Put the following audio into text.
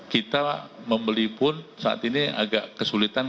kita membeli pun saat ini agak kesulitan